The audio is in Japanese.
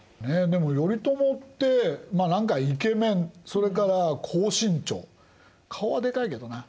でも頼朝ってまあ何かイケメンそれから高身長顔はでかいけどな。